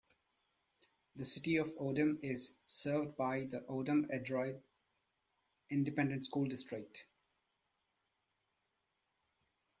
The City of Odem is served by the Odem-Edroy Independent School District.